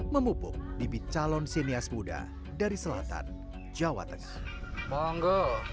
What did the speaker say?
memupuk di bicalon senias muda dari selatan jawa tengah